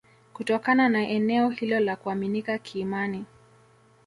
Kutokana na eneo hilo kuaminika kiimani